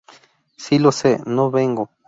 Si lo sé, no vengo